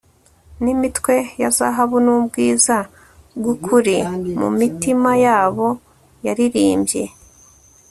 n'imitwe ya zahabu nubwiza bwukuri mumitima yabo yaririmbye